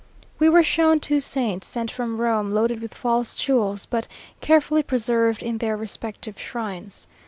We were shown two saints, sent from Rome, loaded with false jewels, but carefully preserved in their respective shrines.